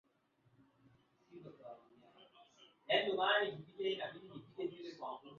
tisa thelathini na tisa mwanzoni mwa vita kuu ya pili ya dunia Stalin alipatani